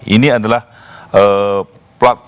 ini adalah platform awalnya pak prabowo seperti itu